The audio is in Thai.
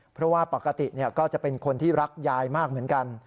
เพราะว่าปกติก็จะเป็นคนที่รักยายมากเหมือนกัน